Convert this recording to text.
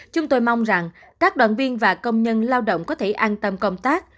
chúng tôi mong rằng các đoàn viên và công nhân lao động có thể an tâm công tác